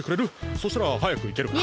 そしたらはやくいけるから。